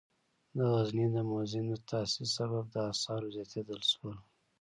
د غزني د موزیم د تاسیس سبب د آثارو زیاتیدل شول.